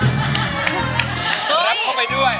รับเขาไปด้วย